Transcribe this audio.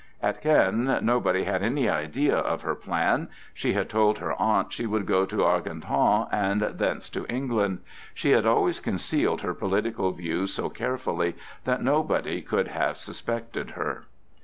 At Caen nobody had any idea of her plan. She had told her aunt she would go to Argentan and thence to England. She had always concealed her political views so carefully that nobody could have suspected her.